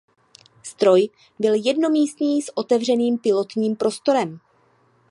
Stroj byl jednomístný s otevřeným pilotním prostorem.